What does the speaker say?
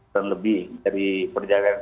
sekarang lebih dari perjalanan